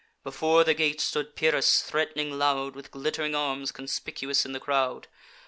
Before the gate stood Pyrrhus, threat'ning loud, With glitt'ring arms conspicuous in the crowd.